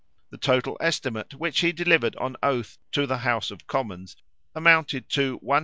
The total estimate, which he delivered on oath to the House of Commons, amounted to 106,543l.